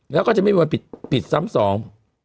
แล้วก็จะไม่มีวันผิดผิดซ้ำสอง